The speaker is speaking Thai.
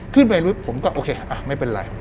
ขึ้นไปผมก็โอเคไม่เป็นไร